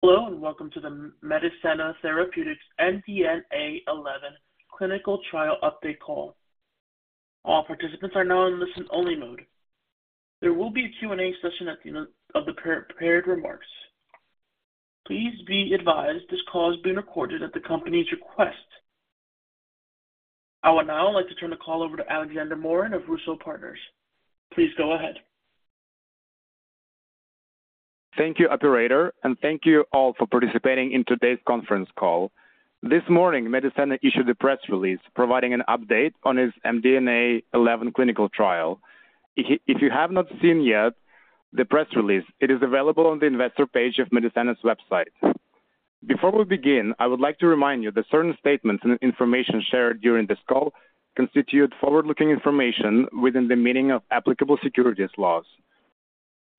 Hello, and welcome to the Medicenna Therapeutics MDNA11 clinical trial update call. All participants are now in listen-only mode. There will be a Q&A session at the end of the pre-prepared remarks. Please be advised this call is being recorded at the company's request. I would now like to turn the call over to Alexander Morin of Russo Partners. Please go ahead. Thank you, operator, and thank you all for participating in today's conference call. This morning, Medicenna issued a press release providing an update on its MDNA11 clinical trial. If you have not seen yet the press release, it is available on the investor page of Medicenna's website. Before we begin, I would like to remind you that certain statements and information shared during this call constitute forward-looking information within the meaning of applicable securities laws.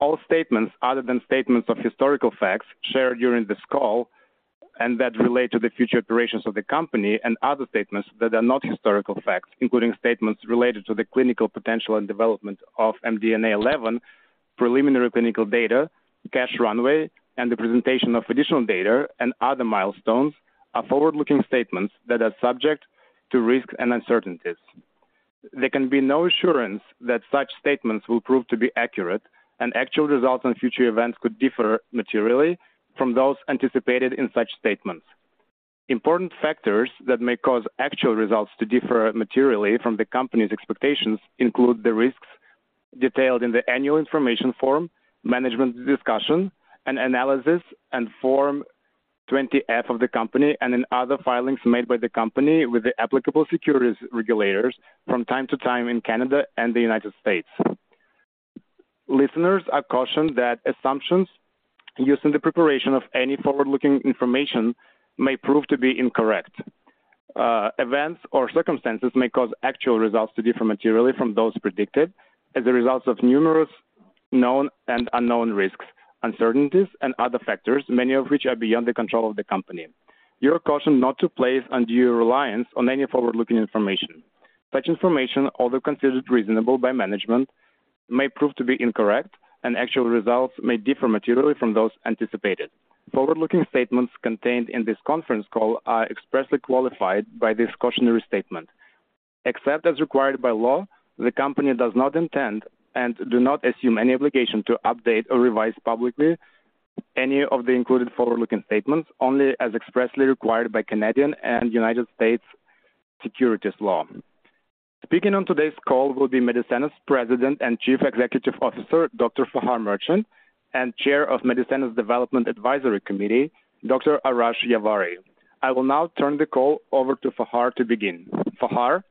All statements, other than statements of historical facts shared during this call and that relate to the future operations of the company and other statements that are not historical facts, including statements related to the clinical potential and development of MDNA11, preliminary clinical data, cash runway, and the presentation of additional data and other milestones, are forward-looking statements that are subject to risks and uncertainties. There can be no assurance that such statements will prove to be accurate. Actual results and future events could differ materially from those anticipated in such statements. Important factors that may cause actual results to differ materially from the company's expectations include the risks detailed in the annual information form, management discussion and analysis, and Form 20-F of the company, and in other filings made by the company with the applicable securities regulators from time to time in Canada and the United States. Listeners are cautioned that assumptions used in the preparation of any forward-looking information may prove to be incorrect. Events or circumstances may cause actual results to differ materially from those predicted as a result of numerous known and unknown risks, uncertainties, and other factors, many of which are beyond the control of the company. You are cautioned not to place undue reliance on any forward-looking information. Such information, although considered reasonable by management, may prove to be incorrect, and actual results may differ materially from those anticipated. Forward-looking statements contained in this conference call are expressly qualified by this cautionary statement. Except as required by law, the company does not intend and do not assume any obligation to update or revise publicly any of the included forward-looking statements, only as expressly required by Canadian and United States securities law. Speaking on today's call will be Medicenna's President and Chief Executive Officer, Dr. Fahar Merchant; and Chair of Medicenna's Development Advisory Committee, Dr. Arash Yavari. I will now turn the call over to Fahar to begin. Fahar?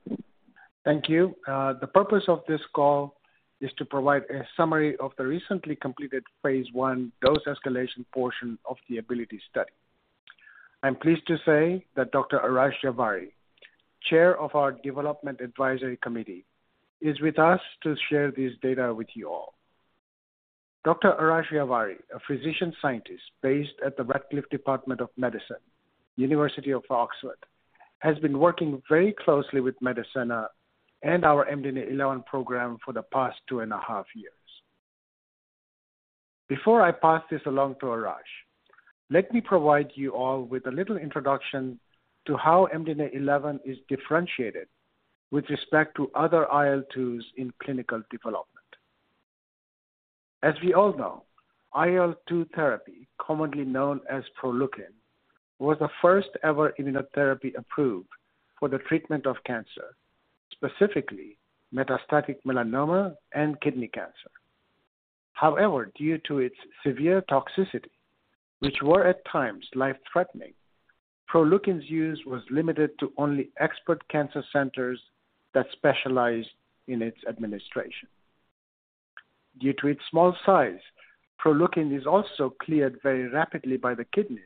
Thank you. The purpose of this call is to provide a summary of the recently completed phase 1 dose escalation portion of the ABILITY study. I'm pleased to say that Dr. Arash Yavari, chair of our Development Advisory Committee, is with us to share this data with you all. Dr. Arash Yavari, a physician-scientist based at the Radcliffe Department of Medicine, University of Oxford, has been working very closely with Medicenna and our MDNA11 program for the past two and a half years. Before I pass this along to Arash, let me provide you all with a little introduction to how MDNA11 is differentiated with respect to other IL-2s in clinical development. As we all know, IL-2 therapy, commonly known as Proleukin, was the first ever immunotherapy approved for the treatment of cancer, specifically metastatic melanoma and kidney cancer. However, due to its severe toxicity, which were at times life-threatening, Proleukin's use was limited to only expert cancer centers that specialized in its administration. Due to its small size, Proleukin is also cleared very rapidly by the kidneys,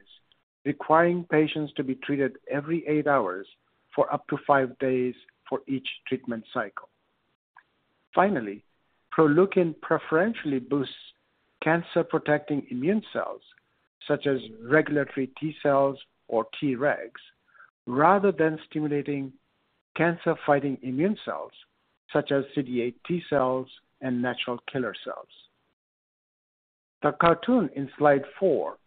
requiring patients to be treated every eight hours for up to five days for each treatment cycle. Finally, Proleukin preferentially boosts cancer-protecting immune cells, such as regulatory T cells or Tregs, rather than stimulating cancer-fighting immune cells such as CD8 T cells and natural killer cells. The cartoon in slide four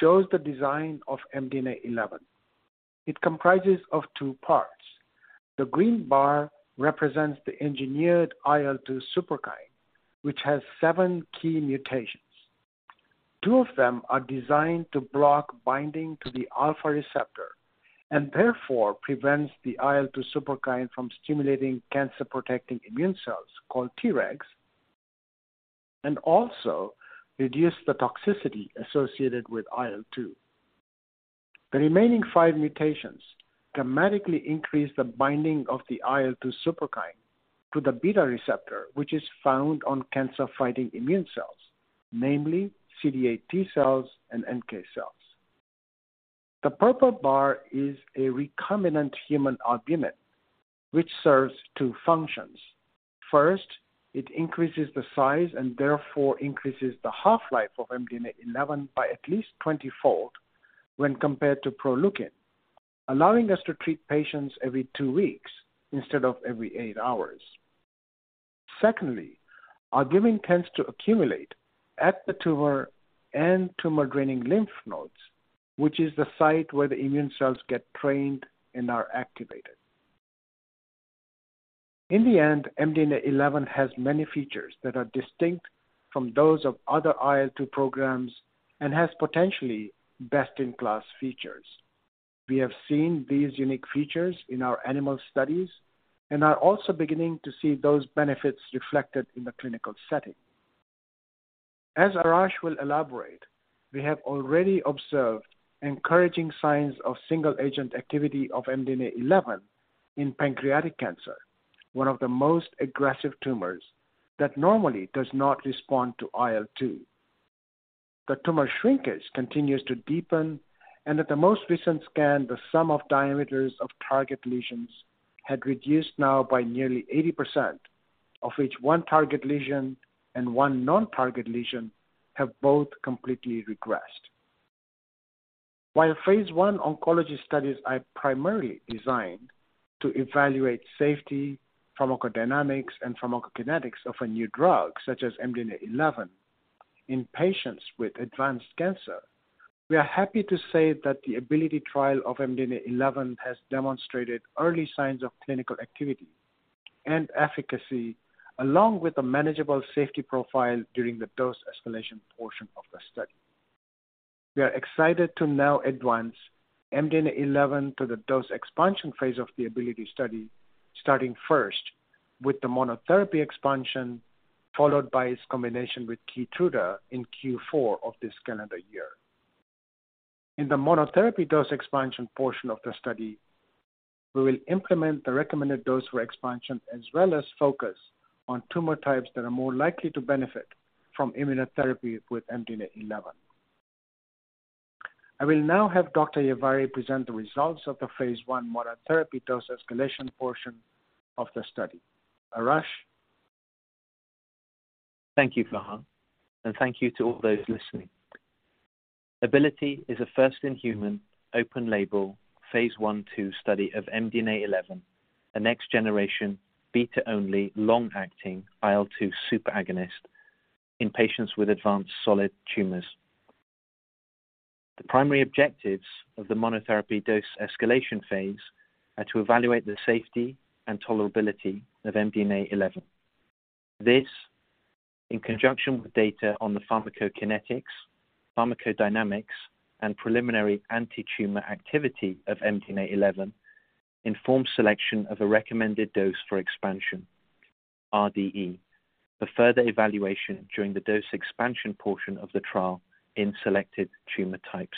shows the design of MDNA11. It comprises of two parts. The green bar represents the engineered IL-2 superkine, which has seven key mutations. Two of them are designed to block binding to the alpha receptor and therefore prevents the IL-2 superkine from stimulating cancer-protecting immune cells, called Tregs, and also reduce the toxicity associated with IL-2. The remaining five mutations dramatically increase the binding of the IL-2 superkine to the beta receptor, which is found on cancer-fighting immune cells, namely CD8 T cells and NK cells. The purple bar is a recombinant human albumin, which serves two functions. First, it increases the size and therefore increases the half-life of MDNA11 by at least 20-fold when compared to Proleukin, allowing us to treat patients every two weeks instead of every eight hours. Secondly, our giving tends to accumulate at the tumor and tumor-draining lymph nodes, which is the site where the immune cells get trained and are activated. In the end, MDNA11 has many features that are distinct from those of other IL-2 programs and has potentially best-in-class features. We have seen these unique features in our animal studies and are also beginning to see those benefits reflected in the clinical setting. As Arash will elaborate, we have already observed encouraging signs of single-agent activity of MDNA11 in pancreatic cancer, one of the most aggressive tumors that normally does not respond to IL-2. The tumor shrinkage continues to deepen, at the most recent scan, the sum of diameters of target lesions had reduced now by nearly 80%, of which one target lesion and one non-target lesion have both completely regressed. While phase I oncology studies are primarily designed to evaluate safety, pharmacodynamics, and pharmacokinetics of a new drug, such as MDNA11, in patients with advanced cancer, we are happy to say that the ABILITY trial of MDNA11 has demonstrated early signs of clinical activity and efficacy, along with a manageable safety profile during the dose escalation portion of the study. We are excited to now advance MDNA11 to the dose expansion phase of the ABILITY study, starting first with the monotherapy expansion, followed by its combination with KEYTRUDA in Q4 of this calendar year. In the monotherapy dose expansion portion of the study, we will implement the recommended dose for expansion, as well as focus on tumor types that are more likely to benefit from immunotherapy with MDNA11. I will now have Dr. Yavari present the results of the phase I monotherapy dose escalation portion of the study. Arash? Thank you, Fahar, and thank you to all those listening. ABILITY is a first-in-human, open-label, phase I/II study of MDNA11, a next-generation, beta-only, long-acting IL-2 superagonist in patients with advanced solid tumors. The primary objectives of the monotherapy dose escalation phase are to evaluate the safety and tolerability of MDNA11. This, in conjunction with data on the pharmacokinetics, pharmacodynamics, and preliminary antitumor activity of MDNA11, informs selection of a recommended dose for expansion, RDE, for further evaluation during the dose expansion portion of the trial in selected tumor types.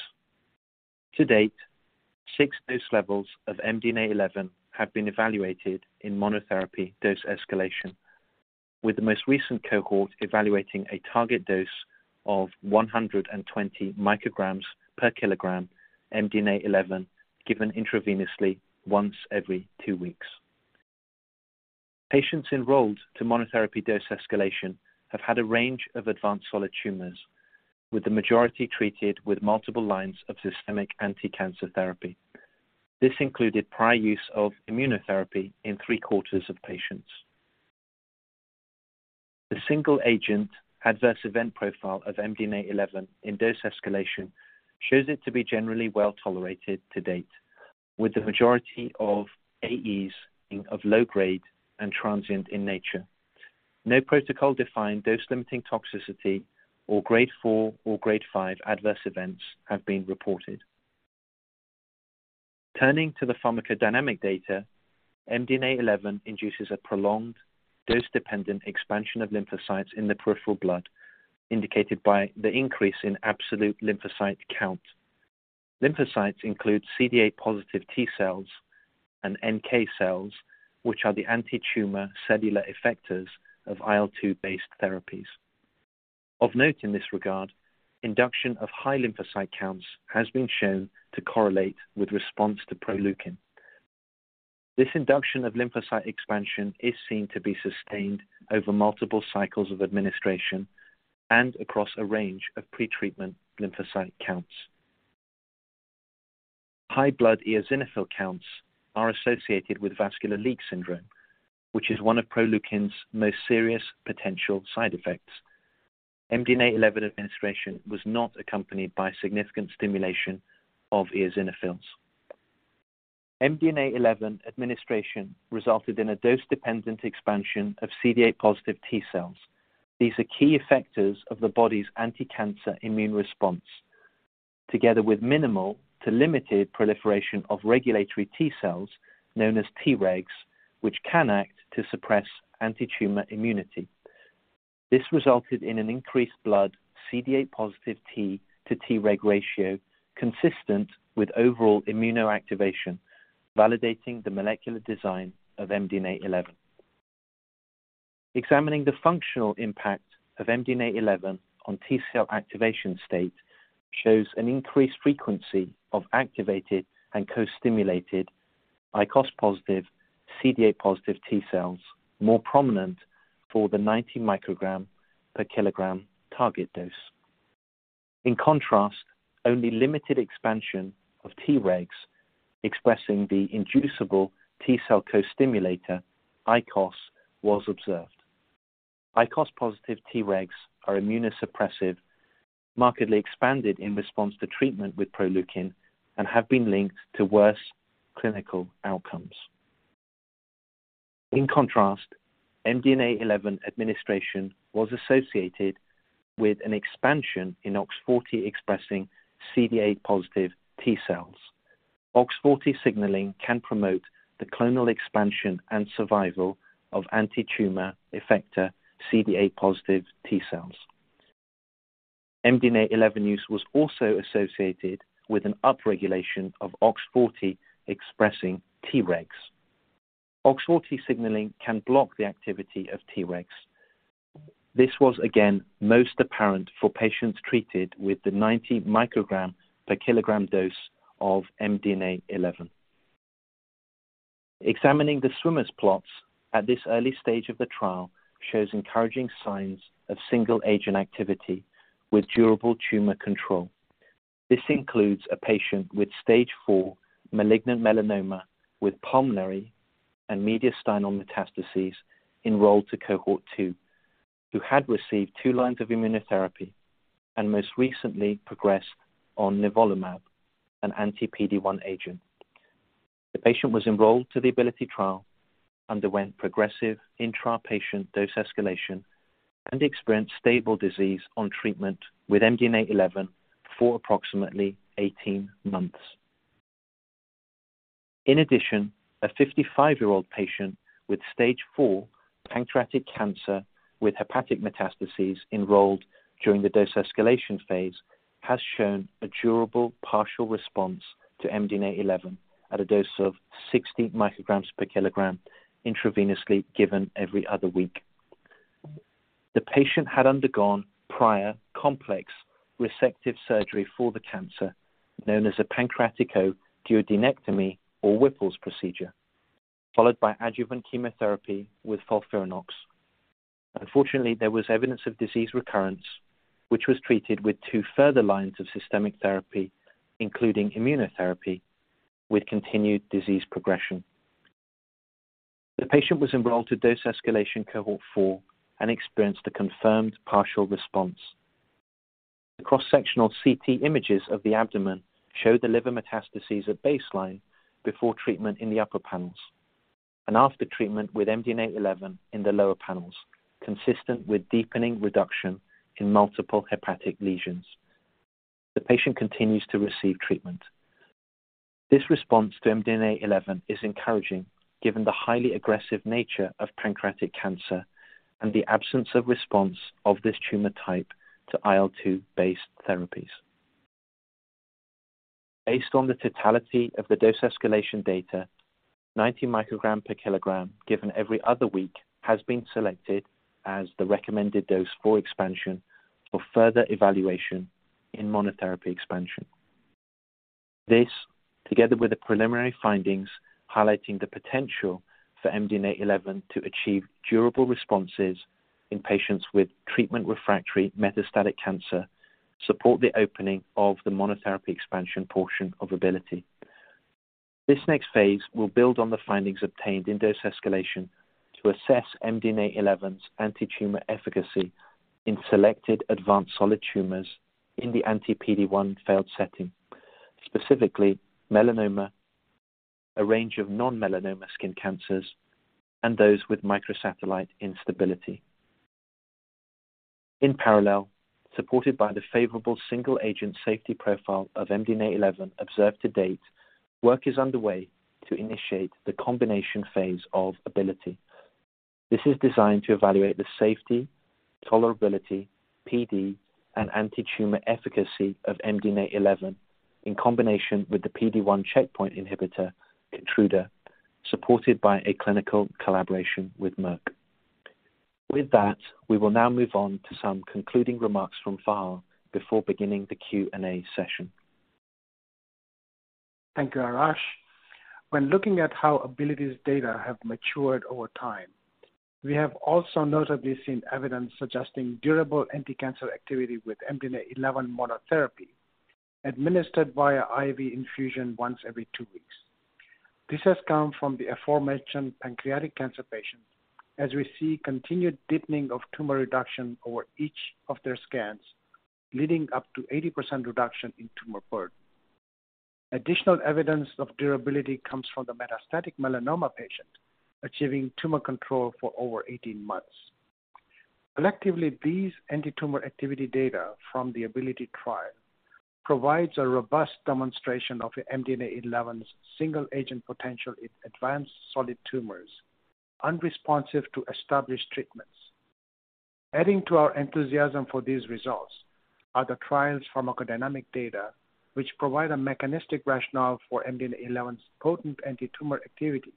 To date, six dose levels of MDNA11 have been evaluated in monotherapy dose escalation, with the most recent cohort evaluating a target dose of 120 mcg per kg MDNA11, given intravenously once every two weeks. Patients enrolled to monotherapy dose escalation have had a range of advanced solid tumors, with the majority treated with multiple lines of systemic anticancer therapy. This included prior use of immunotherapy in three-quarters of patients. The single-agent adverse event profile of MDNA11 in dose escalation shows it to be generally well tolerated to date, with the majority of AEs of low grade and transient in nature. No protocol-defined dose-limiting toxicity or Grade 4 or Grade 5 adverse events have been reported. Turning to the pharmacodynamic data, MDNA11 induces a prolonged dose-dependent expansion of lymphocytes in the peripheral blood, indicated by the increase in absolute lymphocyte count. Lymphocytes include CD8-positive T cells and NK cells, which are the antitumor cellular effectors of IL-2-based therapies. Of note, in this regard, induction of high lymphocyte counts has been shown to correlate with response to Proleukin. This induction of lymphocyte expansion is seen to be sustained over multiple cycles of administration and across a range of pretreatment lymphocyte counts. High blood eosinophil counts are associated with vascular leak syndrome, which is one of Proleukin's most serious potential side effects. MDNA11 administration was not accompanied by significant stimulation of eosinophils. MDNA11 administration resulted in a dose-dependent expansion of CD8-positive T cells. These are key effectors of the body's anticancer immune response, together with minimal to limited proliferation of regulatory T cells, known as Tregs, which can act to suppress antitumor immunity. This resulted in an increased blood CD8-positive T to Treg ratio, consistent with overall immunoactivation, validating the molecular design of MDNA11. Examining the functional impact of MDNA11 on T cell activation state shows an increased frequency of activated and co-stimulated ICOS-positive, CD8-positive T cells, more prominent for the 90 mcg per kg target dose. Only limited expansion of Tregs expressing the inducible T cell co-stimulator ICOS was observed. ICOS-positive Tregs are immunosuppressive, markedly expanded in response to treatment with Proleukin, and have been linked to worse clinical outcomes. MDNA11 administration was associated with an expansion in OX40-expressing CD8-positive T cells. OX40 signaling can promote the clonal expansion and survival of antitumor effector CD8-positive T cells. MDNA11 use was also associated with an upregulation of OX40-expressing Tregs. OX40 signaling can block the activity of Tregs. This was again most apparent for patients treated with the 90 mcg per kg dose of MDNA11. Examining the swimmer's plots at this early stage of the trial shows encouraging signs of single-agent activity with durable tumor control. This includes a patient with stage four malignant melanoma with pulmonary and mediastinal metastases enrolled to cohort two, who had received two lines of immunotherapy and most recently progressed on nivolumab, an anti-PD-1 agent. The patient was enrolled to the ABILITY trial, underwent progressive intra-patient dose escalation, and experienced stable disease on treatment with MDNA11 for approximately 18 months. In addition, a 55-year-old patient with stage four pancreatic cancer with hepatic metastases enrolled during the dose escalation phase, has shown a durable partial response to MDNA11 at a dose of 60 mcg per kg intravenously, given every other week. The patient had undergone prior complex resective surgery for the cancer, known as a pancreaticoduodenectomy or Whipple procedure, followed by adjuvant chemotherapy with FOLFIRINOX. Unfortunately, there was evidence of disease recurrence, which was treated with two further lines of systemic therapy, including immunotherapy, with continued disease progression. The patient was enrolled to dose escalation cohort four and experienced a confirmed partial response. The cross-sectional CT images of the abdomen show the liver metastases at baseline before treatment in the upper panels, and after treatment with MDNA11 in the lower panels, consistent with deepening reduction in multiple hepatic lesions. The patient continues to receive treatment. This response to MDNA11 is encouraging, given the highly aggressive nature of pancreatic cancer and the absence of response of this tumor type to IL-2-based therapies. Based on the totality of the dose escalation data, 90 mcg per kg given every other week, has been selected as the recommended dose for expansion for further evaluation in monotherapy expansion. This, together with the preliminary findings highlighting the potential for MDNA11 to achieve durable responses in patients with treatment-refractory metastatic cancer, support the opening of the monotherapy expansion portion of ABILITY. This next phase will build on the findings obtained in dose escalation to assess MDNA11's antitumor efficacy in selected advanced solid tumors in the anti-PD-1 failed setting, specifically melanoma, a range of non-melanoma skin cancers, and those with microsatellite instability. In parallel, supported by the favorable single-agent safety profile of MDNA11 observed to date, work is underway to initiate the combination phase of ABILITY. This is designed to evaluate the safety, tolerability, PD, and antitumor efficacy of MDNA11 in combination with the PD-1 checkpoint inhibitor, KEYTRUDA, supported by a clinical collaboration with Merck. With that, we will now move on to some concluding remarks from Fahar before beginning the Q&A session. Thank you, Arash. When looking at how ABILITY's data have matured over time, we have also notably seen evidence suggesting durable anticancer activity with MDNA11 monotherapy, administered via IV infusion once every two weeks. This has come from the aforementioned pancreatic cancer patients, as we see continued deepening of tumor reduction over each of their scans, leading up to 80% reduction in tumor burden. Additional evidence of durability comes from the metastatic melanoma patient, achieving tumor control for over 18 months. Collectively, these antitumor activity data from the ABILITY trial provides a robust demonstration of MDNA11's single-agent potential in advanced solid tumors unresponsive to established treatments. Adding to our enthusiasm for these results are the trial's pharmacodynamic data, which provide a mechanistic rationale for MDNA11's potent antitumor activity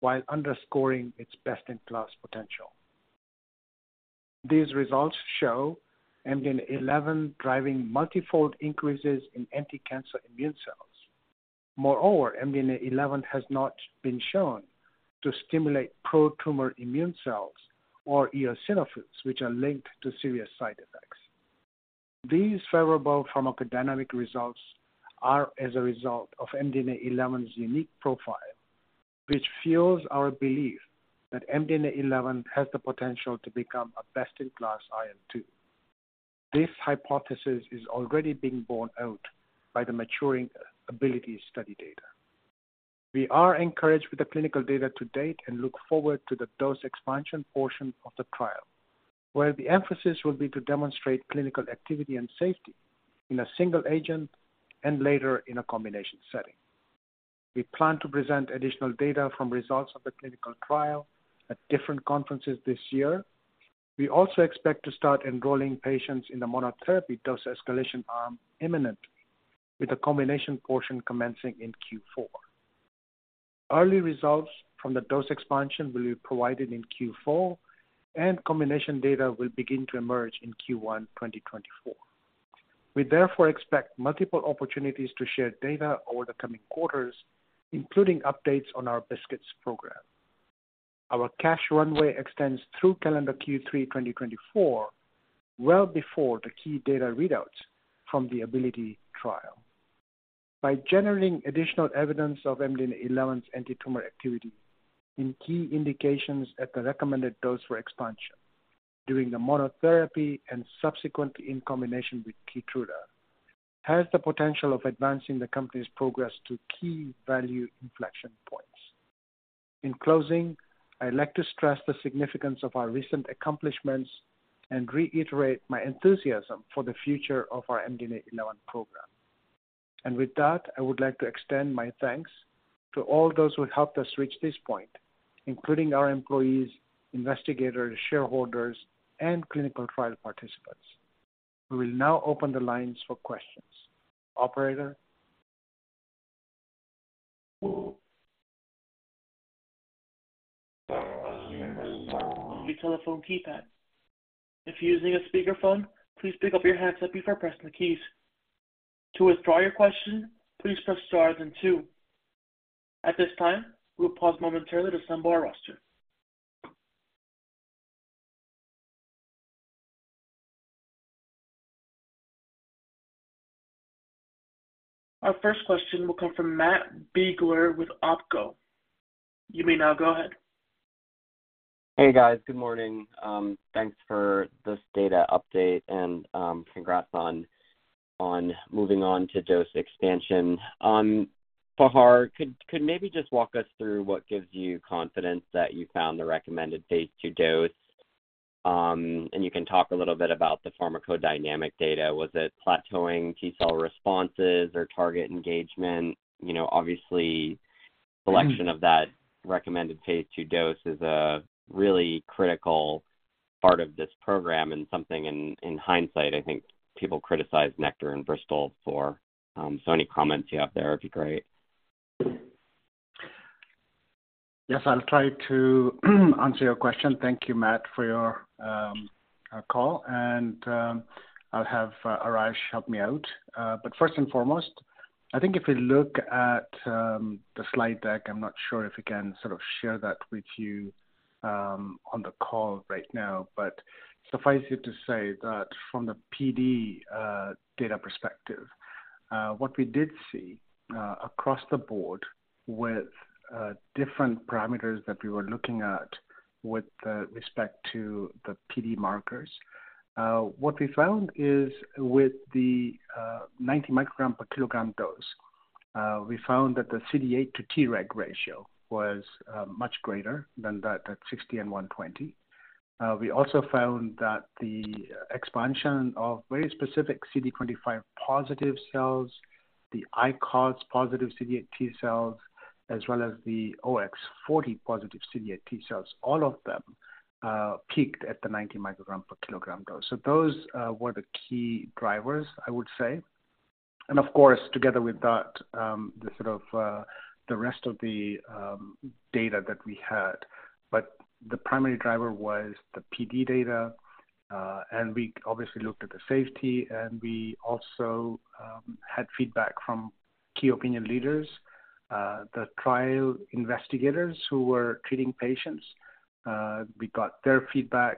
while underscoring its best-in-class potential. These results show MDNA11 driving multifold increases in anticancer immune cells. Moreover, MDNA11 has not been shown to stimulate pro-tumor immune cells or eosinophils, which are linked to serious side effects. These favorable pharmacodynamic results are as a result of MDNA11's unique profile, which fuels our belief that MDNA11 has the potential to become a best-in-class IL-2. This hypothesis is already being borne out by the maturing ABILITY study data. We are encouraged with the clinical data to date and look forward to the dose expansion portion of the trial, where the emphasis will be to demonstrate clinical activity and safety in a single agent and later in a combination setting. We plan to present additional data from results of the clinical trial at different conferences this year. We also expect to start enrolling patients in the monotherapy dose escalation arm imminently, with a combination portion commencing in Q4. Early results from the dose expansion will be provided in Q4, and combination data will begin to emerge in Q1 2024. We therefore expect multiple opportunities to share data over the coming quarters, including updates on our BiSKITs program. Our cash runway extends through calendar Q3 2024, well before the key data readouts from the ABILITY trial. By generating additional evidence of MDNA11's antitumor activity in key indications at the recommended dose for expansion, doing the monotherapy and subsequently in combination with KEYTRUDA, has the potential of advancing the company's progress to key value inflection points. In closing, I'd like to stress the significance of our recent accomplishments and reiterate my enthusiasm for the future of our MDNA11 program. With that, I would like to extend my thanks to all those who helped us reach this point, including our employees, investigators, shareholders, and clinical trial participants. We will now open the lines for questions. Operator? Your telephone keypad. If you're using a speakerphone, please pick up your handset before pressing the keys. To withdraw your question, please press star then two. At this time, we'll pause momentarily to assemble our roster. Our first question will come from Matt Biegler with OpCo. You may now go ahead. Hey, guys. Good morning. Thanks for this data update and congrats on, on moving on to dose expansion. Fahar, could, could maybe just walk us through what gives you confidence that you found the recommended phase II dose? And you can talk a little bit about the pharmacodynamic data. Was it plateauing T-cell responses or target engagement? You know, obviously selection of that recommended phase II dose is a really critical part of this program and something in, in hindsight, I think people criticize Nektar and Bristol for, so any comments you have there would be great. Yes, I'll try to answer your question. Thank you, Matt, for your call and I'll have Arash help me out. First and foremost, I think if we look at the slide deck, I'm not sure if we can sort of share that with you on the call right now, but suffice it to say that from the PD data perspective, what we did see across the board with different parameters that we were looking at with respect to the PD markers. What we found is with the 90 mcg per kg dose, we found that the CD8 to Treg ratio was much greater than that at 60 and 120. We also found that the expansion of very specific CD25-positive cells, the ICOS-positive CD8 T cells, as well as the OX40-positive CD8 T cells, all of them peaked at the 90 mcg per kg dose. Those were the key drivers, I would say. Of course, together with that, the sort of, the rest of the data that we had. The primary driver was the PD data, and we obviously looked at the safety, and we also had feedback from Key Opinion Leaders, the trial investigators who were treating patients. We got their feedback,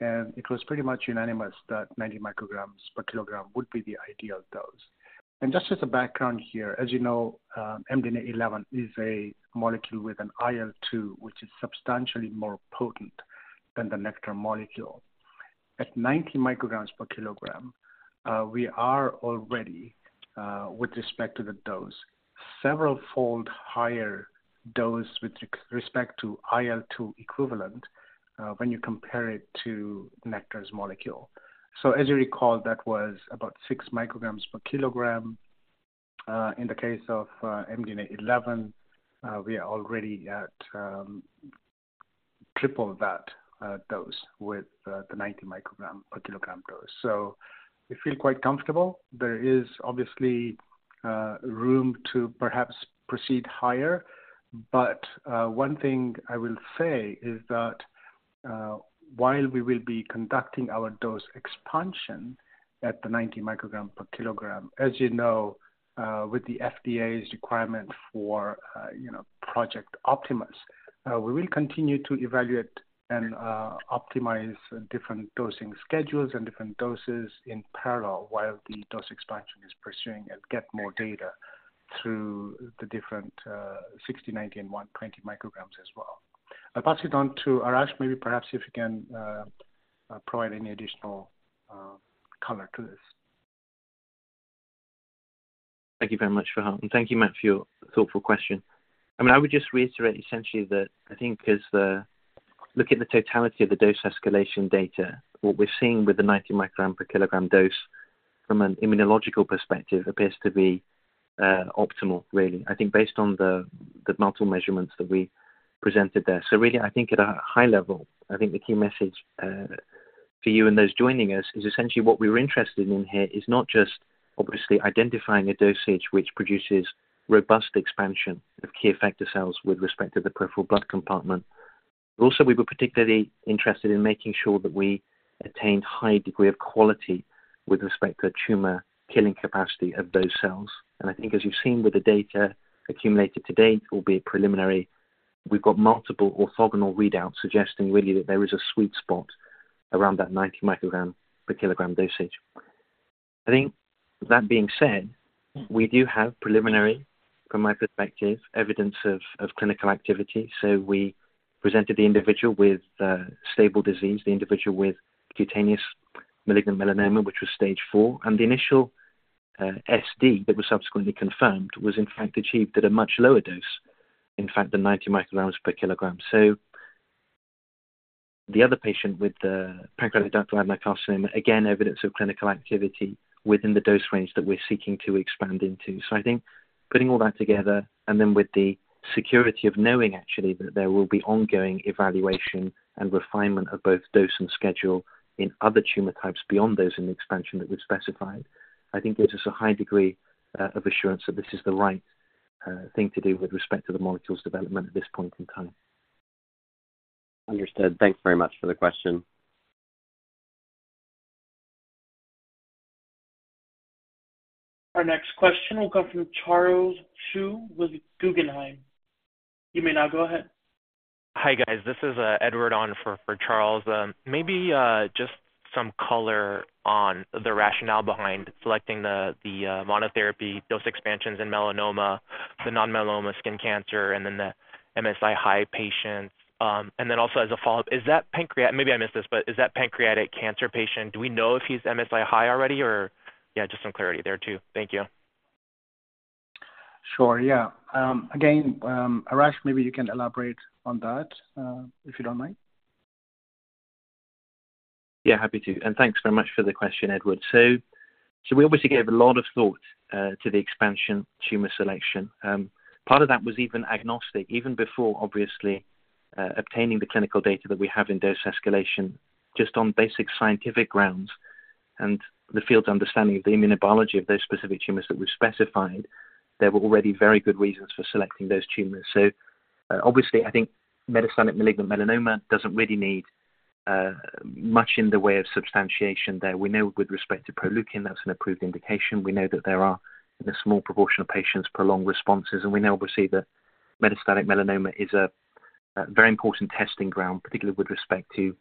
and it was pretty much unanimous that 90 mcg per kg would be the ideal dose. Just as a background here, as you know, MDNA11 is a molecule with an IL-2, which is substantially more potent than the Nektar molecule. At 90 mcg per kg, we are already, with respect to the dose, several-fold higher dose with respect to IL-2 equivalent, when you compare it to Nektar's molecule. As you recall, that was about 6 mcg per kg. In the case of MDNA11, we are already at triple that dose with the 90 mcg per kg dose. We feel quite comfortable. There is obviously room to perhaps proceed higher. One thing I will say is that, while we will be conducting our dose expansion at the 90 mcg per kg, as you know, with the FDA's requirement for, you know, Project Optimus, we will continue to evaluate and optimize different dosing schedules and different doses in parallel while the dose expansion is pursuing and get more data through the different, 60 mcg, 90 mcg, and 120 mcg as well. I'll pass it on to Arash, maybe perhaps if you can provide any additional color to this. Thank you very much, Fahar, and thank you, Matt, for your thoughtful question. I mean, I would just reiterate essentially that I think looking at the totality of the dose escalation data, what we're seeing with the 90 mcg per kg dose from an immunological perspective, appears to be optimal, really. I think based on the, the multiple measurements that we presented there. Really, I think at a high level, I think the key message for you and those joining us, is essentially what we were interested in here is not just obviously identifying a dosage which produces robust expansion of key effector cells with respect to the peripheral blood compartment. We were particularly interested in making sure that we attained high degree of quality with respect to the tumor killing capacity of those cells. I think as you've seen with the data accumulated to date, albeit preliminary, we've got multiple orthogonal readouts suggesting really that there is a sweet spot around that 90 mcg per kg dosage. I think that being said, we do have preliminary, from my perspective, evidence of, of clinical activity. We presented the individual with stable disease, the individual with cutaneous malignant melanoma, which was stage four, and the initial SD that was subsequently confirmed, was in fact achieved at a much lower dose, in fact, the 90 mcg per kg. The other patient with the pancreatic ductal adenocarcinoma, again, evidence of clinical activity within the dose range that we're seeking to expand into. I think putting all that together, and then with the security of knowing actually that there will be ongoing evaluation and refinement of both dose and schedule in other tumor types beyond those in the expansion that we've specified, I think gives us a high degree of assurance that this is the right thing to do with respect to the molecules development at this point in time. Understood. Thanks very much for the question. Our next question will come from Charles Zhu with Guggenheim. You may now go ahead. Hi, guys. This is Edward on for Charles. Maybe just some color on the rationale behind selecting the monotherapy dose expansions in melanoma, the non-melanoma skin cancer, and then the MSI-high patients. Also as a follow-up, is that pancreatic. Maybe I missed this, but is that pancreatic cancer patient, do we know if he's MSI-high already or? Just some clarity there, too. Thank you. Sure. Yeah. again, Arash, maybe you can elaborate on that, if you don't mind. Yeah, happy to, thanks very much for the question, Edward. So we obviously gave a lot of thought to the expansion tumor selection. Part of that was even agnostic, even before, obviously, obtaining the clinical data that we have in dose escalation, just on basic scientific grounds and the field's understanding of the immunobiology of those specific tumors that we've specified, there were already very good reasons for selecting those tumors. Obviously, I think metastatic malignant melanoma doesn't really need much in the way of substantiation there. We know with respect to Proleukin, that's an approved indication. We know that there are, in a small proportion of patients, prolonged responses, and we know, obviously, that metastatic melanoma is a very important testing ground, particularly with respect to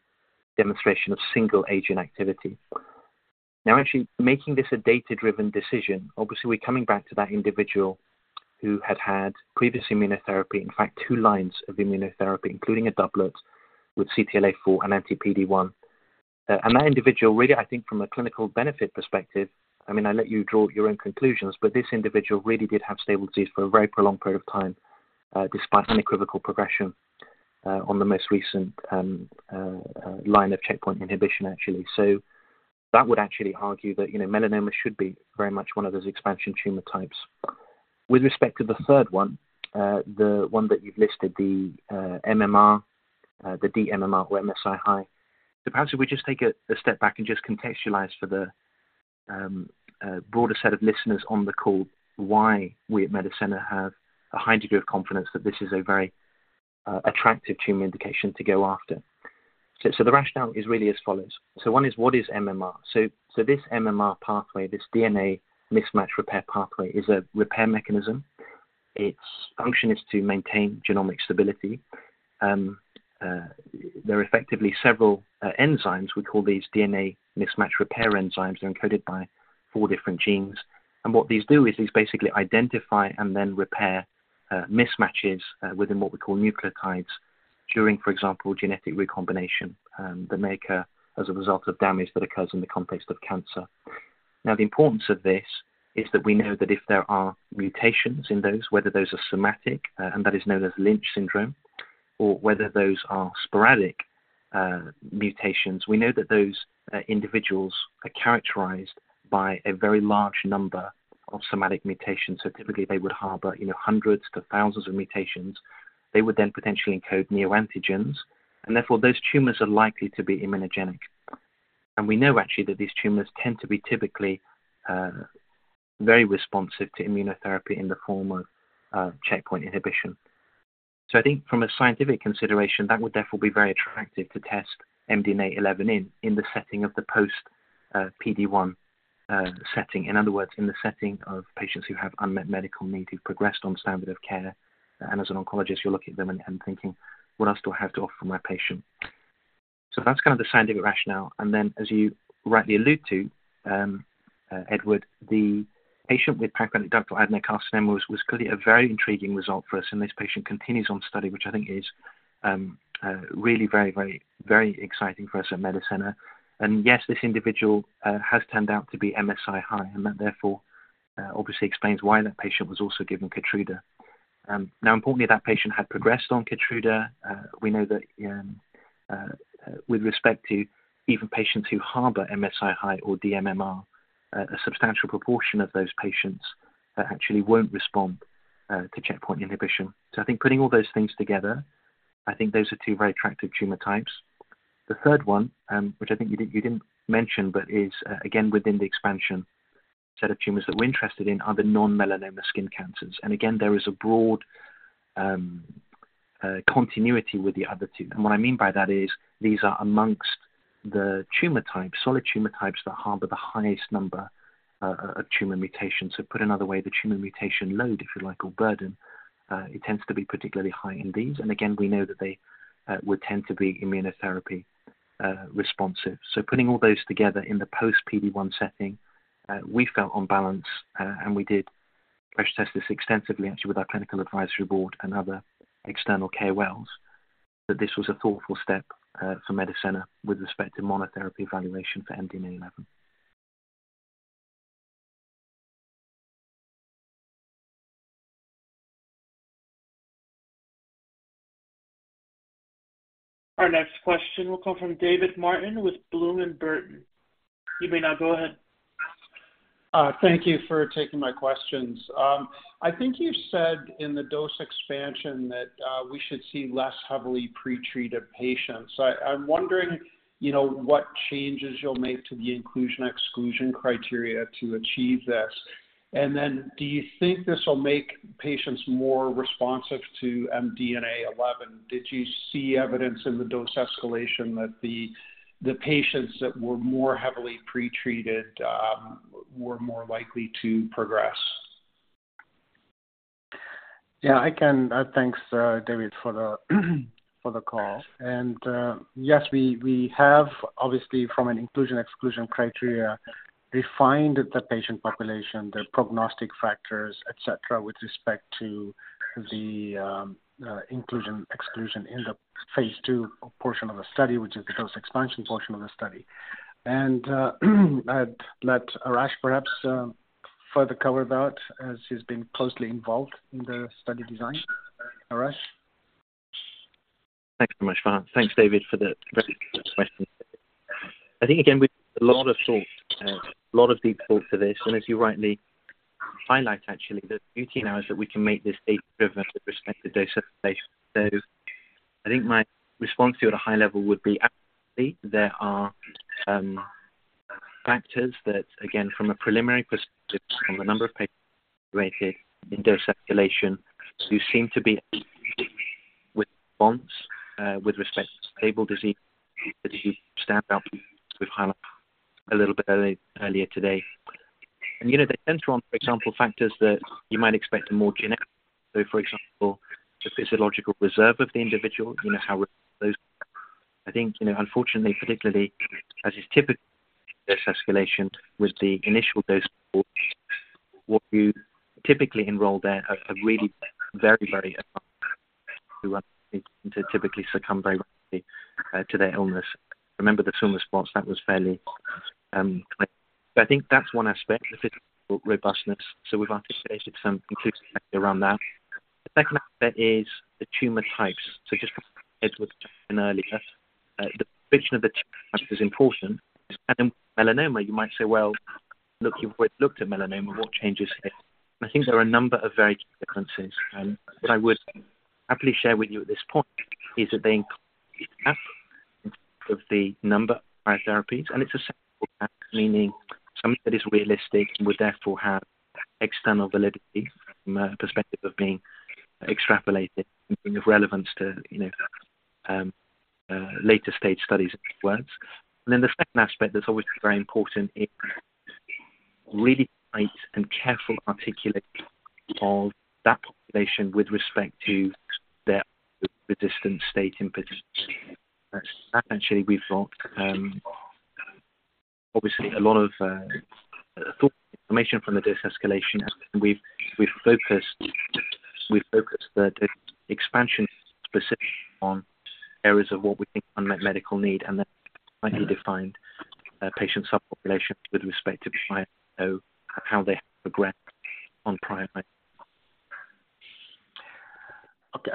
demonstration of single agent activity. Actually, making this a data-driven decision, obviously, we're coming back to that individual who had had previous immunotherapy, in fact, two lines of immunotherapy, including a doublet with CTLA-4 and anti-PD-1. That individual, really, I think from a clinical benefit perspective, I mean, I let you draw your own conclusions, but this individual really did have stable disease for a very prolonged period of time, despite unequivocal progression on the most recent line of checkpoint inhibition, actually. That would actually argue that, you know, melanoma should be very much one of those expansion tumor types. With respect to the third one, the one that you've listed, the MMR, the dMMR or MSI-H. Perhaps if we just take a step back and just contextualize for the broader set of listeners on the call, why we at Medicenna have a high degree of confidence that this is a very attractive tumor indication to go after. The rationale is really as follows: one is, what is MMR? This MMR pathway, this DNA mismatch repair pathway, is a repair mechanism. Its function is to maintain genomic stability. There are effectively several enzymes, we call these DNA mismatch repair enzymes. They're encoded by four different genes. What these do is basically identify and then repair mismatches within what we call nucleotides during, for example, genetic recombination that may occur as a result of damage that occurs in the context of cancer. The importance of this is that we know that if there are mutations in those, whether those are somatic, and that is known as Lynch syndrome, or whether those are sporadic mutations, we know that those individuals are characterized by a very large number of somatic mutations. Typically, they would harbor in hundreds to thousands of mutations. They would then potentially encode neoantigens, and therefore, those tumors are likely to be immunogenic. We know actually that these tumors tend to be typically very responsive to immunotherapy in the form of checkpoint inhibition. I think from a scientific consideration, that would therefore be very attractive to test MDNA11 in, in the setting of the post PD-1 setting. In other words, in the setting of patients who have unmet medical needs, who progressed on standard of care, and as an oncologist, you're looking at them and, and thinking, "What else do I have to offer my patient?" That's kind of the scientific rationale. Then, as you rightly allude to, Edward, the patient with pancreatic ductal adenocarcinoma was, was clearly a very intriguing result for us, and this patient continues on study, which I think is really very, very, very exciting for us at Medicenna. Yes, this individual has turned out to be MSI-High, and that, therefore, obviously explains why that patient was also given KEYTRUDA. Now, importantly, that patient had progressed on KEYTRUDA. We know that, with respect to even patients who harbor MSI-High or dMMR, a substantial proportion of those patients actually won't respond to checkpoint inhibition. I think putting all those things together, I think those are two very attractive tumor types. The third one, which I think you didn't mention, but is, again, within the expansion set of tumors that we're interested in, are the non-melanoma skin cancers. Again, there is a broad continuity with the other two. What I mean by that is these are amongst the tumor types, solid tumor types, that harbor the highest number of tumor mutations. Put another way, the tumor mutation load, if you like, or burden, it tends to be particularly high in these. Again, we know that they would tend to be immunotherapy responsive. Putting all those together in the post PD-1 setting, we felt on balance, and we did pressure test this extensively, actually, with our Clinical Advisory Board and other external KOLs, that this was a thoughtful step for Medicenna with respect to monotherapy evaluation for MDNA11. Our next question will come from David Martin with Bloom Burton. You may now go ahead. Thank you for taking my questions. I think you've said in the dose expansion that, we should see less heavily pretreated patients. I'm wondering, you know, what changes you'll make to the inclusion/exclusion criteria to achieve this. Do you think this will make patients more responsive to MDNA11? Did you see evidence in the dose escalation that the patients that were more heavily pretreated, were more likely to progress? Yeah, I can. Thanks, David, for the, for the call. Yes, we, we have obviously, from an inclusion/exclusion criteria, refined the patient population, the prognostic factors, et cetera, with respect to the inclusion/exclusion in the phase II portion of the study, which is the dose expansion portion of the study. I'd let Arash perhaps further cover that as he's been closely involved in the study design. Arash? Thanks so much, Fahar. Thanks, David, for the question. I think, again, we a lot of thought, a lot of deep thought to this, and as you rightly highlight, actually, the beauty now is that we can make this data-driven with respect to dose escalation. I think my response to you at a high level would be, absolutely, there are factors that, again, from a preliminary perspective, from the number of patients rated in dose escalation, who seem to be with response with respect to stable disease, stand out we've highlight a little bit earlier, earlier today. You know, they tend to want, for example, factors that you might expect a more genetic. For example, the physiological reserve of the individual, you know, how those. I think, you know, unfortunately, particularly as is typical, this escalation with the initial dose, what you typically enroll there are, are really very, very, to typically succumb very quickly to their illness. Remember, the tumor response, that was fairly, I think that's one aspect, the physical robustness. We've anticipated some inclusive around that. The second aspect is the tumor types. Just as Edward mentioned earlier, the picture of the tumor types is important. Melanoma, you might say, well, look, you've looked at melanoma, what changes here? I think there are a number of very differences that I would happily share with you at this point. Is that they of the number of therapies, and it's the, meaning something that is realistic and would therefore have external validity from a perspective of being extrapolated and being of relevance to, you know, later-stage studies words. The second aspect that's always very important is really tight and careful articulation of that population with respect to their resistant state in participants. Actually, we've got, obviously a lot of thought information from the de-escalation, and we've, we've focused, we've focused the, the expansion specifically on areas of what we think unmet medical need and the rightly defined patient subpopulation with respect to how they progress on prior. Okay,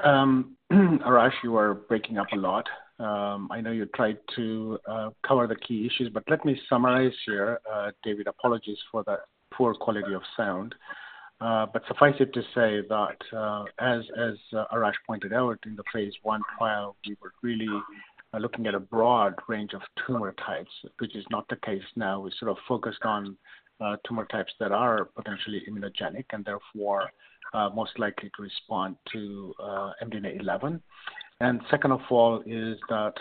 Arash, you are breaking up a lot. I know you tried to cover the key issues, but let me summarize here. David, apologies for the poor quality of sound. Suffice it to say that as Arash pointed out, in the phase I trial, we were really looking at a broad range of tumor types, which is not the case now. We sort of focused on tumor types that are potentially immunogenic and therefore most likely to respond to MDNA11. Second of all, is that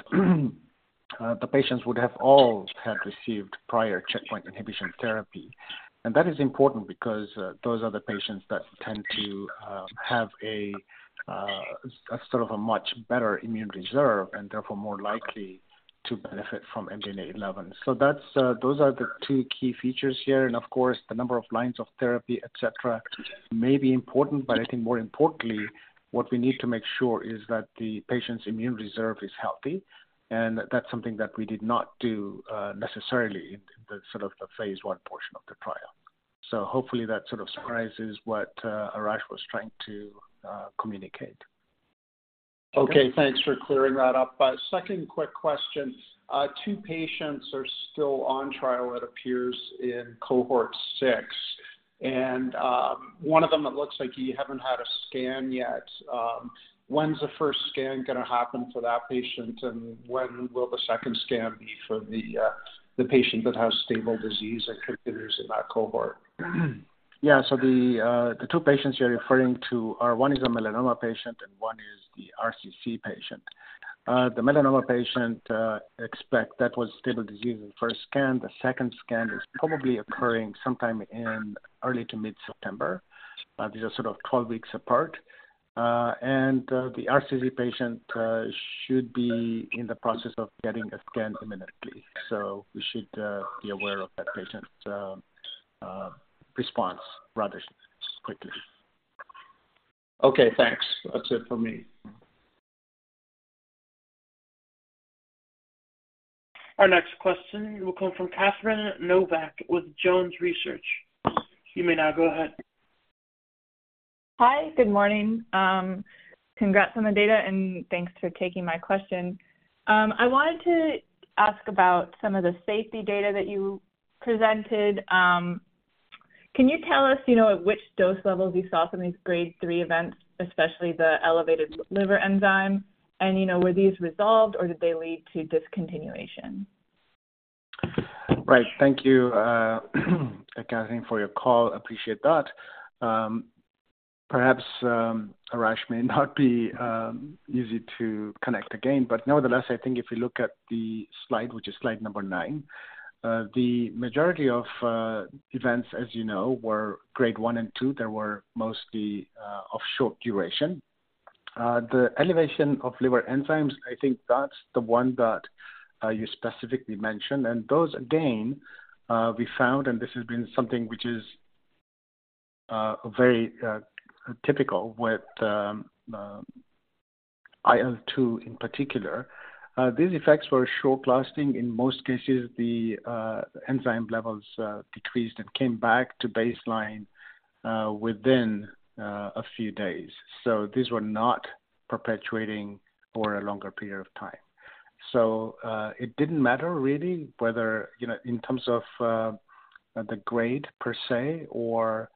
the patients would have all had received prior checkpoint inhibition therapy. That is important because those are the patients that tend to have a sort of a much better immune reserve and therefore more likely to benefit from MDNA11. That's, those are the two key features here, and of course, the number of lines of therapy, et cetera, may be important. I think more importantly, what we need to make sure is that the patient's immune reserve is healthy, and that's something that we did not do, necessarily in the sort of the phase I portion of the trial. Hopefully that sort of surprises what, Arash was trying to, communicate. Okay, thanks for clearing that up. Second quick question. Two patients are still on trial, it appears in cohort six, and one of them it looks like you haven't had a scan yet. When's the first scan gonna happen for that patient, and when will the second scan be for the patient that has stable disease and continues in that cohort? The two patients you're referring to are, one is a melanoma patient, and one is the RCC patient. The melanoma patient, expect that was stable disease in the first scan. The second scan is probably occurring sometime in early to mid-September. These are sort of 12 weeks apart. The RCC patient should be in the process of getting a scan imminently. We should be aware of that patient's response rather quickly. Okay, thanks. That's it for me. Our next question will come from Catherine Novack with Jones Research. You may now go ahead. Hi, good morning. Congrats on the data, and thanks for taking my question. I wanted to ask about some of the safety data that you presented. Can you tell us, you know, at which dose levels you saw some of these grade three events, especially the elevated liver enzyme? Were these resolved, or did they lead to discontinuation? Right. Thank you, Catherine, for your call. Appreciate that. Nevertheless, I think if you look at the slide, which is slide nine, the majority of events, as you know, were grade one and two. They were mostly of short duration. The elevation of liver enzymes, I think that's the one that you specifically mentioned. Those again, we found and this has been something which is very typical with IL-2 in particular. These effects were short-lasting. In most cases, the enzyme levels decreased and came back to baseline within a few days. These were not perpetuating for a longer period of time. It didn't matter really, whether, you know, in terms of the grade per se or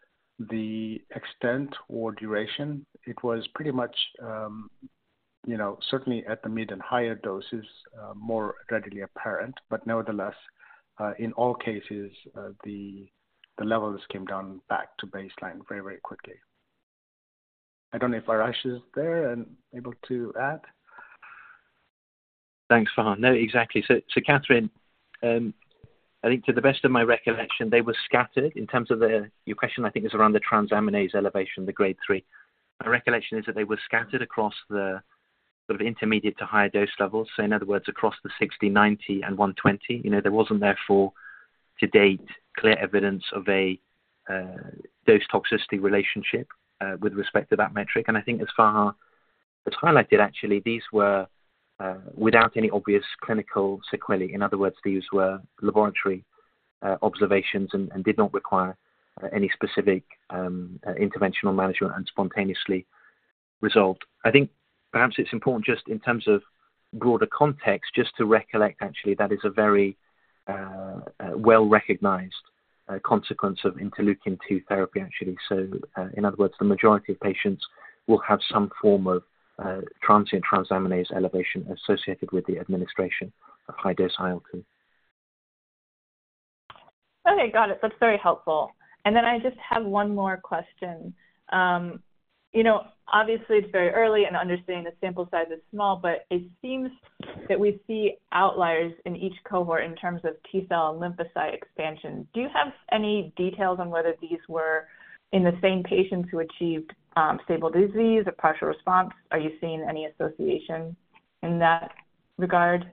the extent or duration, it was pretty much, you know, certainly at the mid and higher doses, more readily apparent. Nevertheless, in all cases, the, the levels came down back to baseline very, very quickly. I don't know if Arash is there and able to add. Thanks, Fahar. No, exactly. Catherine, I think to the best of my recollection, they were scattered in terms of their. Your question, I think, is around the transaminase elevation, the grade three. My recollection is that they were scattered across the sort of intermediate to higher dose levels. In other words, across the 60, 90, and 120. You know, there wasn't, therefore, to date, clear evidence of a dose toxicity relationship with respect to that metric. I think as Fahar has highlighted, actually, these were without any obvious clinical sequelae. In other words, these were laboratory observations and did not require any specific interventional management and spontaneously resolved. I think perhaps it's important just in terms of broader context, just to recollect, actually, that is a very well-recognized consequence of IL-2 therapy, actually. In other words, the majority of patients will have some form of transient transaminase elevation associated with the administration of high-dose IL-2. Okay, got it. That's very helpful. Then I just have one more question. You know, obviously, it's very early and understanding the sample size is small, but it seems that we see outliers in each cohort in terms of T-cell lymphocyte expansion. Do you have any details on whether these were in the same patients who achieved, stable disease, a partial response? Are you seeing any association in that regard?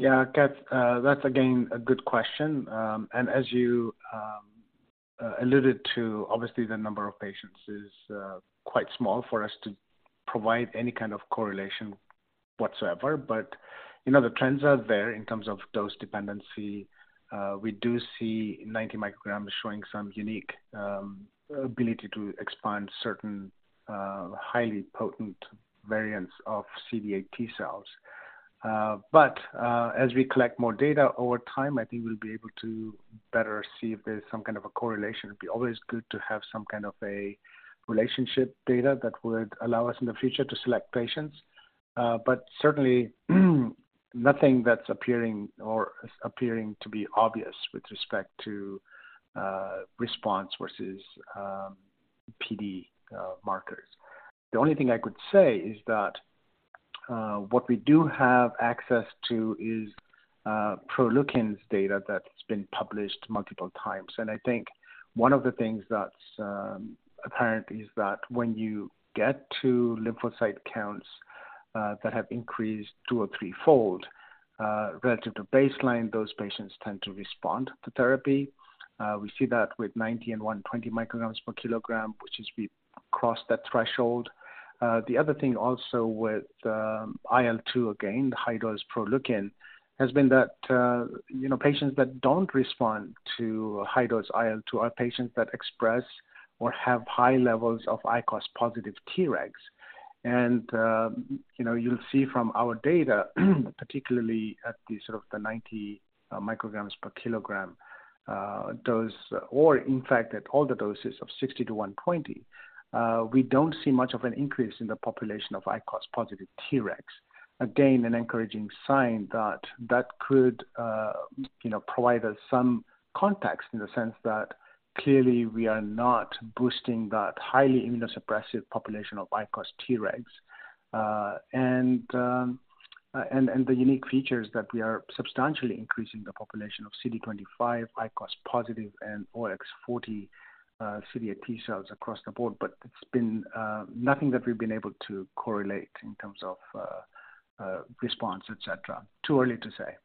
Yeah, Cat, that's again, a good question. As you alluded to, obviously the number of patients is quite small for us to provide any kind of correlation whatsoever. The trends are there in terms of dose dependency. We do see 90 mcg showing some unique ability to expand certain highly potent variants of CD8 T cells. As we collect more data over time, I think we'll be able to better see if there's some kind of a correlation. It'd be always good to have some kind of a relationship data that would allow us in the future to select patients. Certainly, nothing that's appearing or is appearing to be obvious with respect to response versus PD markers. The only thing I could say is that what we do have access to is Proleukin's data that's been published multiple times. I think one of the things that's apparent is that when you get to lymphocyte counts that have increased two or threefold relative to baseline, those patients tend to respond to therapy. We see that with 90 mcg per kg and 120 mcg per kg, which is we cross that threshold. The other thing also with IL-2, again, the high-dose Proleukin, has been that, you know, patients that don't respond to high-dose IL-2 are patients that express or have high levels of ICOS positive Tregs. You know, you'll see from our data, particularly at the sort of the 90 mcg per kg dose, or in fact, at all the doses of 60 mcg per kg to 120 mcg per kg, we don't see much of an increase in the population of ICOS positive Tregs. Again, an encouraging sign that that could, you know, provide us some context in the sense that clearly we are not boosting that highly immunosuppressive population of ICOS Tregs. And the unique features that we are substantially increasing the population of CD25, ICOS-positive, and OX40 CD8 T cells across the board, but it's been nothing that we've been able to correlate in terms of response, et cetera. Too early to say.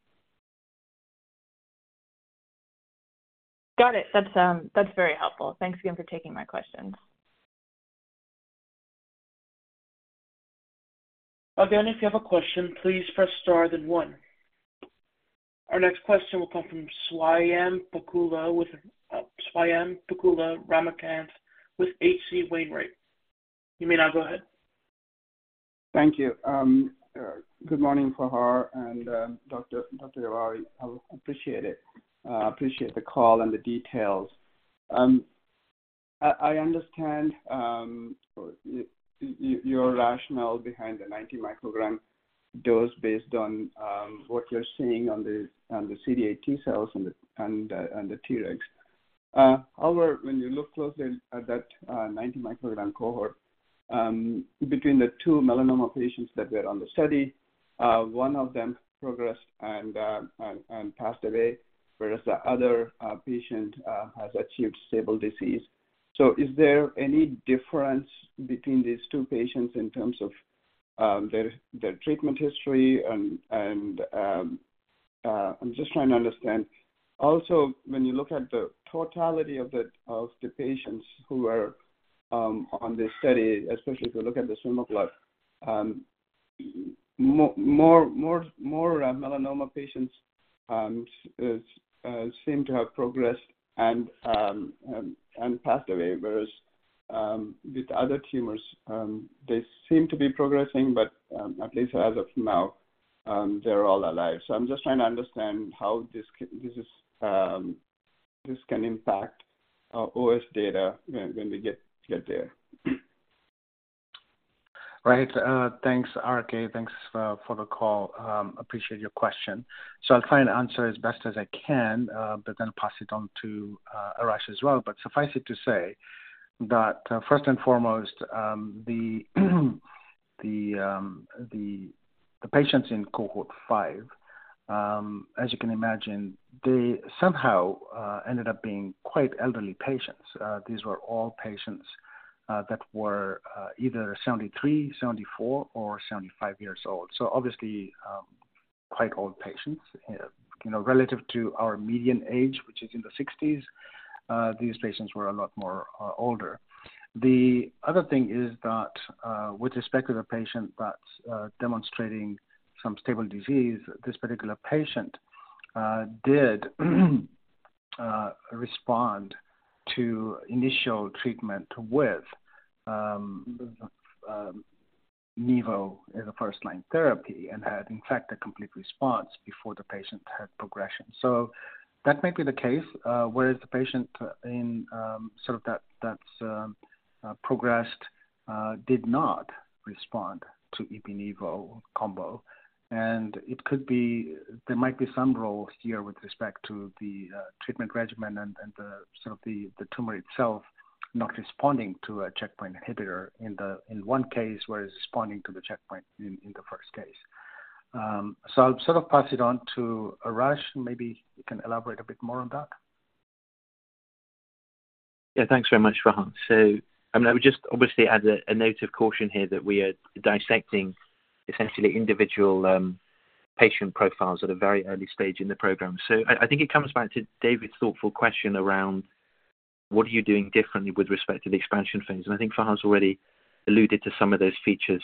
Got it. That's, that's very helpful. Thanks again for taking my questions. Again, if you have a question, please press star then one. Our next question will come from Swayampakula with, Swayampakula Ramakanth with H.C. Wainwright. You may now go ahead. Thank you. Good morning, Fahar and Dr. Yavari. I appreciate it. Appreciate the call and the details. I understand your rationale behind the 90-mcg dose based on what you're seeing on the CD8 T cells and the Tregs. However, when you look closely at that 90-mcg cohort, between the two melanoma patients that were on the study, one of them progressed and passed away, whereas the other patient has achieved stable disease. Is there any difference between these two patients in terms of their treatment history and, I'm just trying to understand. When you look at the totality of the, of the patients who are on this study, especially if you look at the swim plot, more, more, more melanoma patients seem to have progressed and, and passed away, whereas with other tumors, they seem to be progressing, but at least as of now, they're all alive. I'm just trying to understand how this is this can impact OS data when, when we get, get there. Right. Thanks, RK. Thanks for the call. Appreciate your question. I'll try and answer as best as I can, but then pass it on to Arash as well. Suffice it to say that first and foremost, the patients in cohort five, as you can imagine, they somehow ended up being quite elderly patients. These were all patients that were either 73, 74, or 75 years old. Obviously, quite old patients. You know, relative to our median age, which is in the 60s, these patients were a lot more older. The other thing is that, with respect to the patient that's demonstrating some stable disease, this particular patient did respond to initial treatment with nivolumab as a first-line therapy and had, in fact, a complete response before the patient had progression. That may be the case, whereas the patient in, so that, that's progressed, did not respond to ipi/nivo combo. It could be. There might be some role here with respect to the treatment regimen and, and the sort of the, the tumor itself not responding to a checkpoint inhibitor in the, in one case, where it's responding to the checkpoint in, in the first case. I'll sort of pass it on to Arash, and maybe you can elaborate a bit more on that. Yeah, thanks very much, Fahar. I mean, I would just obviously add a, a note of caution here that we are dissecting essentially individual patient profiles at a very early stage in the program. I think it comes back to David's thoughtful question around: What are you doing differently with respect to the expansion phase? I think Fahar's already alluded to some of those features.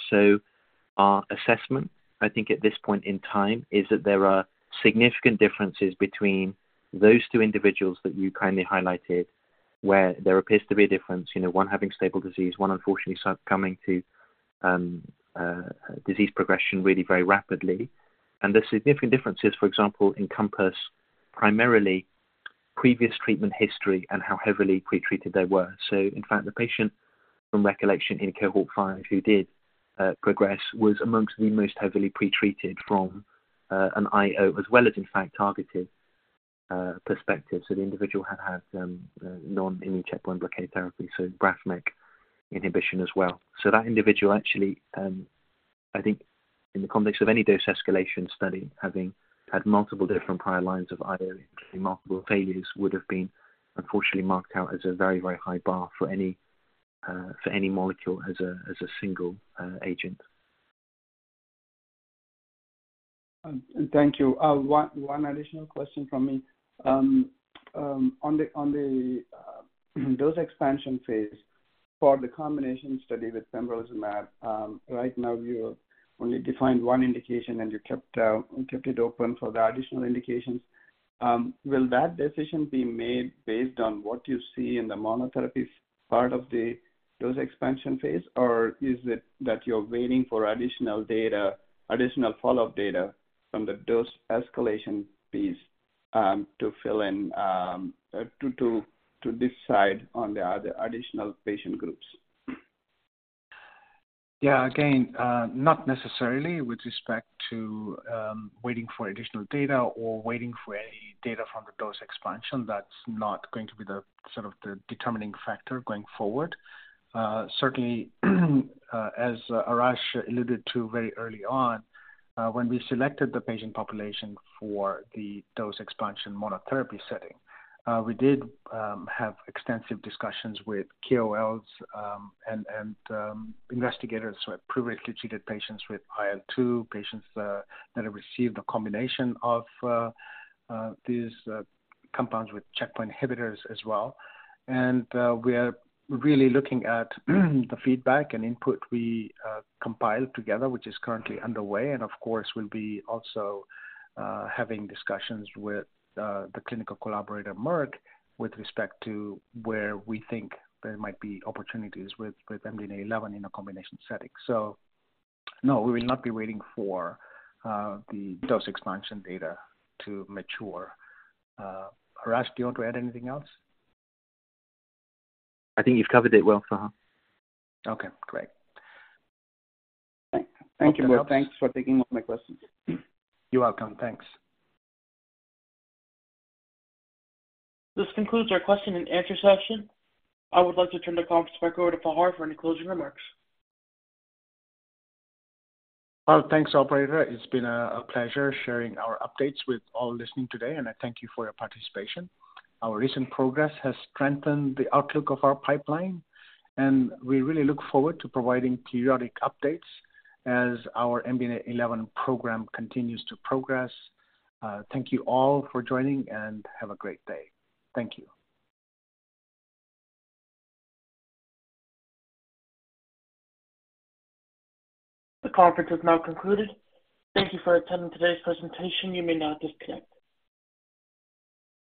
Our assessment, I think, at this point in time, is that there are significant differences between those two individuals that you kindly highlighted. Where there appears to be a difference, you know, one having stable disease, one unfortunately succumbing to disease progression really very rapidly. The significant differences, for example, encompass primarily previous treatment history and how heavily pretreated they were. In fact, the patient from recollection in cohort five, who did progress, was amongst the most heavily pretreated from an IO as well as in fact, targeted perspective. The individual had, had non-immune checkpoint blockade therapy, so BRAF/MEK inhibition as well. That individual actually, I think in the context of any dose escalation study, having had multiple different prior lines of either remarkable failures, would have been unfortunately marked out as a very, very high bar for any for any molecule as a as a single agent. Thank you. One additional question from me. On the dose expansion phase for the combination study with pembrolizumab, right now you only defined one indication, and you kept it open for the additional indications. Will that decision be made based on what you see in the monotherapy part of the dose expansion phase? Is it that you're waiting for additional data, additional follow-up data from the dose escalation piece, to fill in to decide on the other additional patient groups? Yeah, again, not necessarily with respect to waiting for additional data or waiting for any data from the dose expansion. That's not going to be the sort of the determining factor going forward. Certainly, as Arash alluded to very early on, when we selected the patient population for the dose expansion monotherapy setting, we did have extensive discussions with KOLs, and investigators who have previously treated patients with IL-2, patients that have received a combination of these compounds with checkpoint inhibitors as well. We are really looking at the feedback and input we compiled together, which is currently underway. Of course, we'll be also having discussions with the clinical collaborator, Merck, with respect to where we think there might be opportunities with MDNA11 in a combination setting. No, we will not be waiting for the dose expansion data to mature. Arash, do you want to add anything else? I think you've covered it well, Fahar. Okay, great. Thank you. Thanks for taking my questions. You're welcome. Thanks. This concludes our question and answer session. I would like to turn the conference back over to Fahar for any closing remarks. Well, thanks, operator. It's been a pleasure sharing our updates with all listening today. I thank you for your participation. Our recent progress has strengthened the outlook of our pipeline. We really look forward to providing periodic updates as our MDNA11 program continues to progress. Thank you all for joining. Have a great day. Thank you. The conference is now concluded. Thank you for attending today's presentation. You may now disconnect.